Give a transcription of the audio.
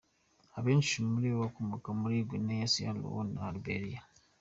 Abenshi muri bo bakomoka muri Guinea, Sierra Leone na Liberia.